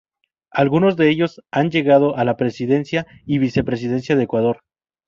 Algunos de ellos han llegado a la presidencia y vicepresidencia de Ecuador.